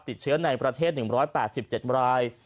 ติดเชื้อในประเทศ๑๘๗ราย